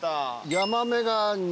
ヤマメが２。